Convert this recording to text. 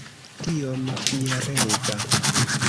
Tiom fierega!